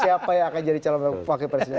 siapa yang akan jadi calon wakil presiden